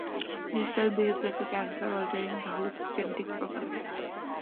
This cell behaves like a cancer, altering the host's genetic profile.